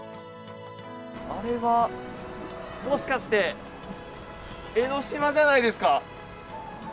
あれはもしかして江の島じゃないですか？